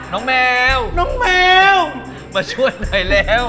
นำแมว